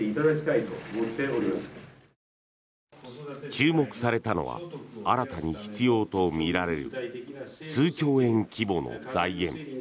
注目されたのは新たに必要とみられる数兆円規模の財源。